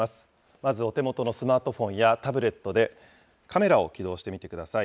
まずお手元のスマートフォンやタブレットで、カメラを起動してみてください。